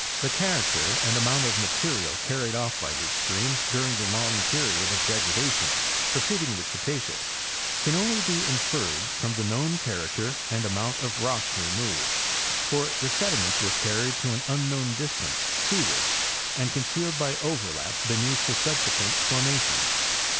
The character and amount of material carried off by these streams during the long period of degrada tion preceding the Cretaceous can only be inferred from the 'known character and amount of rocks removed for the sedi ments were carried to an unknown distance seaward and con cealed by overlap beneath the subsequent formations.